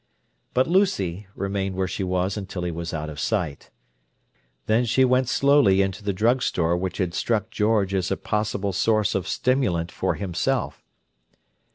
But Lucy remained where she was until he was out of sight. Then she went slowly into the drugstore which had struck George as a possible source of stimulant for himself.